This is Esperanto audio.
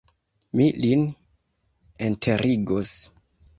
Mi lin enterigos.